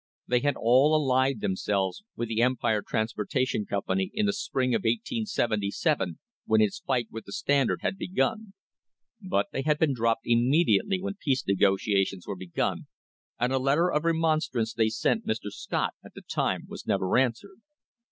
They had all allied themselves with the Empire Transportation Company in the spring of 1877 when its fight with the Standard had begun, but they had been dropped immediately when peace negoti ations were begun, and a letter of remonstrance they sent Mr. Scott at the time was never answered.